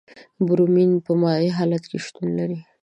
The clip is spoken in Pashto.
برومین په مایع حالت کې شتون لري.